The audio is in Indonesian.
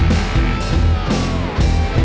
udah jam segini